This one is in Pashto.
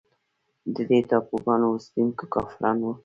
د دې ټاپوګانو اوسېدونکي کافران وه.